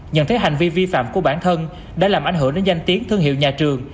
nhận thấy hành vi vi phạm của bản thân đã làm ảnh hưởng đến danh tiếng thương hiệu nhà trường